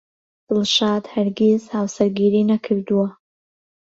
دڵشاد هەرگیز هاوسەرگیری نەکردەوە.